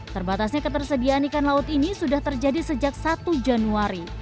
terbatasnya ketersediaan ikan laut ini sudah terjadi sejak satu januari